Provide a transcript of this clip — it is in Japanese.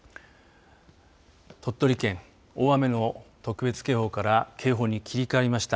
鳥取県、大雨の特別警報から警報に切り替わりました。